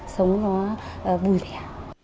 sống nó vui vẻ